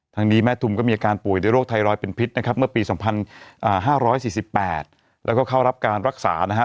นี้แม่ทุมก็มีอาการป่วยด้วยโรคไทรอยด์เป็นพิษนะครับเมื่อปี๒๕๔๘แล้วก็เข้ารับการรักษานะฮะ